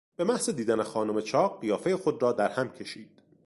به محض دیدن خانم چاق قیافهی خود را درهم کشید.